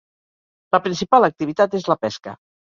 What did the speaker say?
La principal activitat és la pesca.